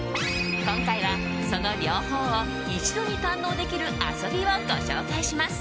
今回は、その両方を一度に堪能できる遊びをご紹介します。